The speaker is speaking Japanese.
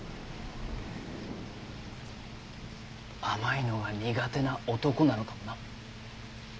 甘いのが苦手な男なのかもな。